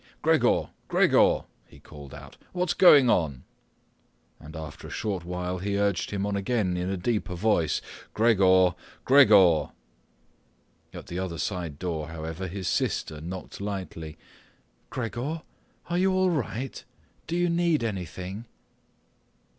"Gregor, Gregor," he called out, "what's going on?" And, after a short while, he urged him on again in a deeper voice: "Gregor!" Gregor!" At the other side door, however, his sister knocked lightly. "Gregor? Are you all right? Do you need anything?"